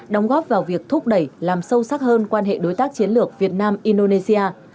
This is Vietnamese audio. đóng góp vào việc thúc đẩy làm sâu sắc hơn quan hệ đối tác chiến lược việt nam indonesia